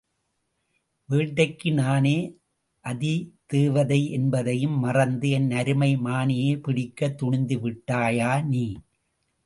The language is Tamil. வேட்டைக்கு நானே அதிதேவதை என்பதையும் மறந்து, என் அருமை மானையே பிடிக்கத் துணிந்துவிட்டாயா நீ?